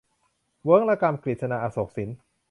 เวิ้งระกำ - กฤษณา อโศกสิน